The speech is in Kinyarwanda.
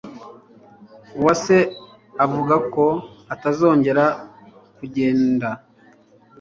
Uwase avuga ko atazongera kugenda.